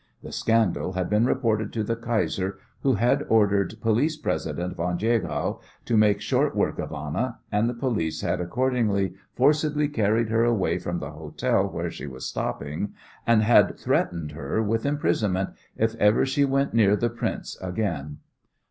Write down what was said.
The scandal had been reported to the Kaiser, who had ordered Police President von Jagow to make short work of Anna, and the police had accordingly forcibly carried her away from the hotel where she was stopping, and had threatened her with imprisonment if ever she went near the prince again.